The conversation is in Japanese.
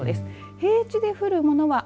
平地で降るものは雨。